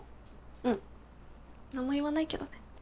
うん何も言わないけどね